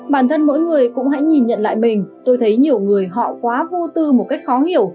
bản thân mỗi người cũng hãy nhìn nhận lại mình tôi thấy nhiều người họ quá vô tư một cách khó hiểu